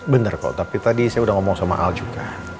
benar kok tapi tadi saya udah ngomong sama al juga